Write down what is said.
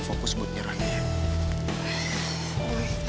fokus buat jadi